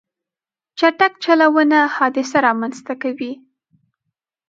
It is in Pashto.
چټک چلوونه حادثه رامنځته کوي.